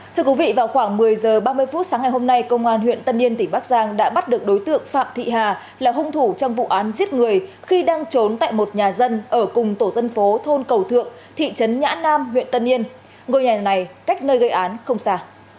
thưa quý vị vào khoảng một mươi h ba mươi phút sáng ngày hôm nay công an huyện tân yên tỉnh bắc giang đã bắt được đối tượng phạm thị hà là hung thủ trong vụ án giết người khi đang trốn tại một nhà dân ở cùng tổ dân phố thôn cầu thượng thị trấn nhã nam huyện tân yên ngôi nhà này cách nơi gây án không xa